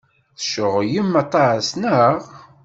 Tceɣlem aṭas, naɣ?